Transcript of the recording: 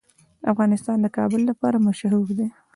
افغانستان د کابل لپاره مشهور دی.